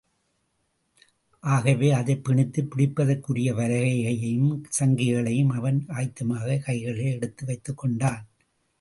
ஆகவே, அதைப் பிணித்துப் பிடிப்பதற்குரிய வலையையும், சங்கிகளையும் அவன் ஆயத்தமாகக் கைகளிலே எடுத்து வைத்துக்கொண்டான்.